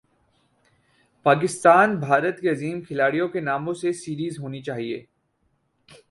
پاکستان بھارت کے عظیم کھلاڑیوں کے ناموں سے سیریز ہونی چاہیے